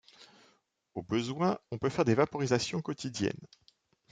Au besoin, on peut faire des vaporisations quotidiennes.